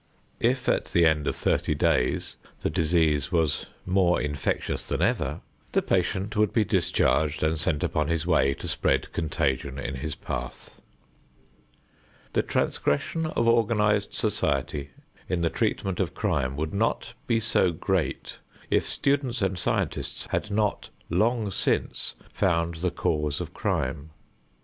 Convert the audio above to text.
If at the end of thirty days the disease was more infectious than ever, the patient would be discharged and sent upon his way to spread contagion in his path. The transgression of organized society in the treatment of crime would not be so great if students and scientists had not long since found the cause of crime.